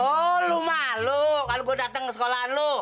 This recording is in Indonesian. oh lo malu kalo gue dateng ke sekolah lo